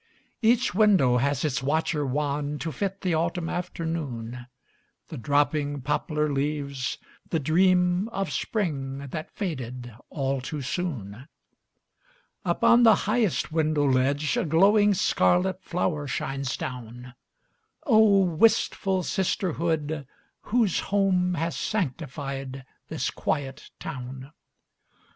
Each window has its watcher wan To fit the autumn afternoon, The dropping poplar leaves, the dream Of spring that faded all too soon. Upon the highest window ledge A glowing scarlet flower shines down. Oh, wistful sisterhood, whose home Has sanctified this quiet town!